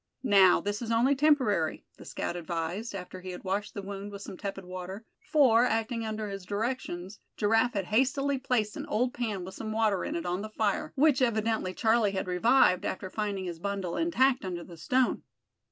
"Now, this is only temporary," the scout advised, after he had washed the wound with some tepid water, for, acting under his directions, Giraffe had hastily placed an old pan with some water in it, on the fire, which evidently Charlie had revived after finding his bundle intact under the stone.